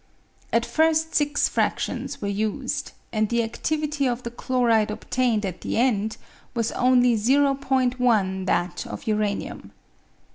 147 At first six fractions were used, and the adivity of the chloride obtained at the end was only o'l that of uranium.